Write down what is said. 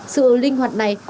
sự linh hoạt này